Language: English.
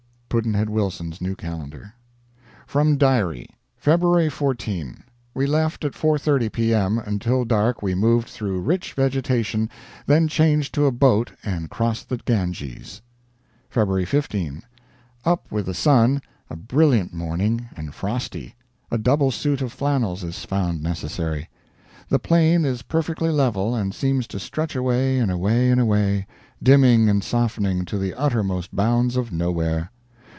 Pudd'nhead Wilson's New Calendar. FROM DIARY: February 14. We left at 4:30 P.M. Until dark we moved through rich vegetation, then changed to a boat and crossed the Ganges. February 15. Up with the sun. A brilliant morning, and frosty. A double suit of flannels is found necessary. The plain is perfectly level, and seems to stretch away and away and away, dimming and softening, to the uttermost bounds of nowhere.